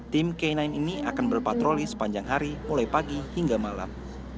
tim k sembilan ini akan berpatroli sepanjang hari mulai pagi hingga malam